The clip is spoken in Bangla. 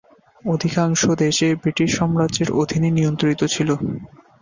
অধিকাংশ দেশই ব্রিটিশ সাম্রাজ্যের অধীনে নিয়ন্ত্রিত ছিল।